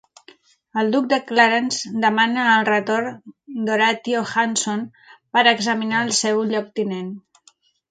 El duc de Clarence demana el retorn d'Horatio Hanson per examinar el seu lloctinent.